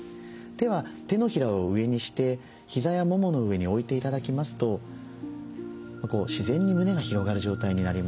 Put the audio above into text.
手は手のひらを上にして膝やももの上に置いて頂きますと自然に胸が広がる状態になります。